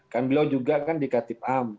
kan beliau juga dikatakan